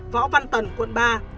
võ văn tần quận ba